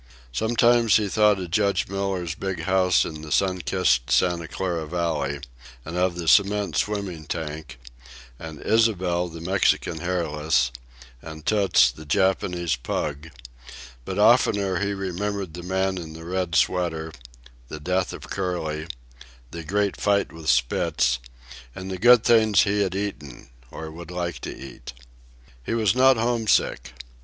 Sometimes he thought of Judge Miller's big house in the sun kissed Santa Clara Valley, and of the cement swimming tank, and Ysabel, the Mexican hairless, and Toots, the Japanese pug; but oftener he remembered the man in the red sweater, the death of Curly, the great fight with Spitz, and the good things he had eaten or would like to eat. He was not homesick.